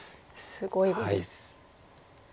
すごい碁です。